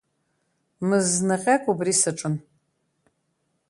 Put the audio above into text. Мызнаҟьак убри саҿын.